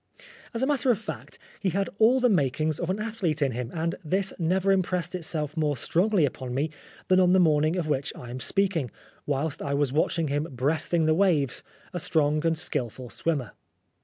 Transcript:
As a matter of fact, he had all the makings of an athlete in him, and this never impressed itself more strongly upon me than on the morning of which I am speaking, whilst I was watching him breasting the waves, a strong and skilful swimmer.